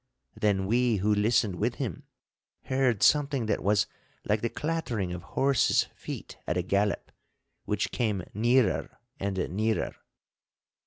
Then we who listened with him heard something that was like the clattering of horses' feet at a gallop, which came nearer and nearer.